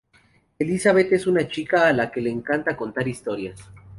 Elizabeth es una chica a la que le encanta contar historias.